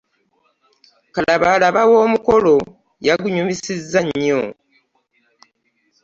Kalabaalaba w'omukolo yagunyumisizza nnyo.